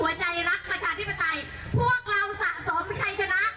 พวกเราสะสมชัยชนะ